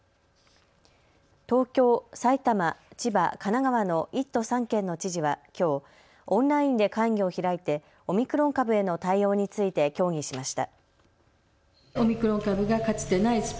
東京、埼玉、千葉、神奈川の１都３県の知事はきょう、オンラインで会議を開いてオミクロン株への対応について協議しました。